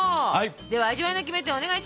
では味わいのキメテをお願いします。